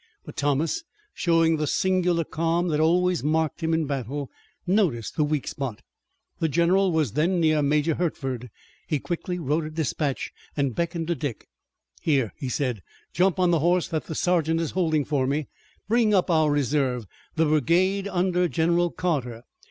But Thomas, showing the singular calm that always marked him in battle, noticed the weak spot. The general was then near Major Hertford. He quickly wrote a dispatch and beckoned to Dick: "Here," he said, "jump on the horse that the sergeant is holding for me, and bring up our reserve, the brigade under General Carter.